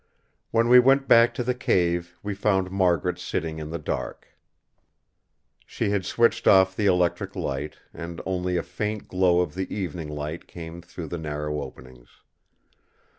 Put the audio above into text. When we went back to the cave we found Margaret sitting in the dark. She had switched off the electric light, and only a faint glow of the evening light came through the narrow openings.